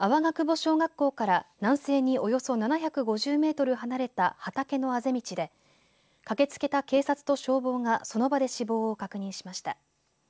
小学校から南西におよそ７５０メートル離れた畑のあぜ道で駆けつけた警察と消防がその場で死亡を確認しました。